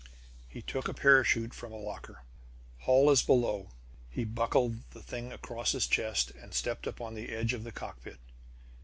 He took a parachute from a locker. "Holl is below." He buckled the thing across his chest and stepped up on the edge of the cockpit.